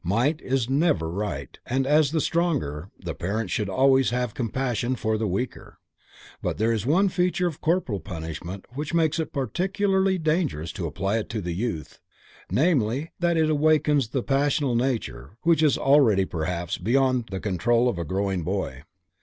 Might is never right, and as the stronger, parents should always have compassion for the weaker. But there is one feature of corporal punishment which makes it particularly dangerous to apply it to the youth: namely, that it wakens the passional nature which is already perhaps beyond the control of a growing boy.